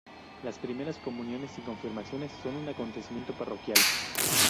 Las Primeras Comuniones y Confirmaciones son un acontecimiento parroquial.